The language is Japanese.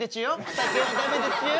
酒はダメでちゅよ。